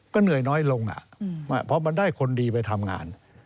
เหนื่อยน้อยลงเพราะมันได้คนดีไปทำงาน